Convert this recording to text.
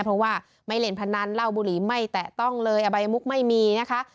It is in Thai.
เพราะว่าไม่เล่นพนันเหล้าบุหรี่ไม่แตะต้องเลยอบายมุกไม่มีนะคะ